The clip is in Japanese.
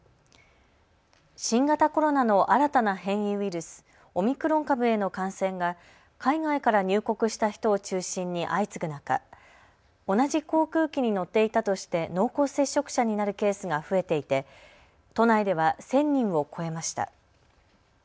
新型コロナの新たな変異ウイルス、オミクロン株への感染が海外から入国した人を中心に相次ぐ中、同じ航空機に乗っていたとして濃厚接触者になるケースが増えていて都内では１０００人を超えました。